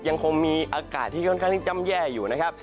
ยังคงมีอากาศที่ค่อนข้างที่ย่ำแย่อยู่นะครับ